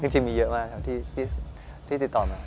จริงมีเยอะมากครับที่ติดต่อมา